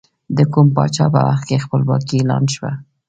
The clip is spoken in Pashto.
د کوم پاچا په وخت کې خپلواکي اعلان شوه؟